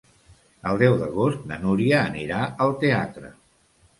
El deu d'agost na Núria anirà al teatre.